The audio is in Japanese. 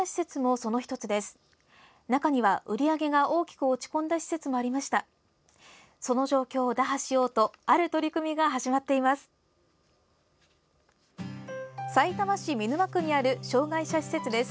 その状況を打破しようとある取り組みが始まっています。